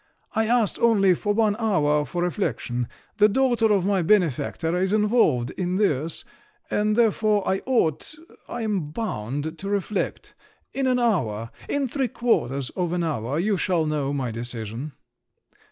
"I ask only for one hour for reflection…. The daughter of my benefactor is involved in this…. And, therefore, I ought, I am bound, to reflect!… In an hour, in three quarters of an hour, you shall know my decision."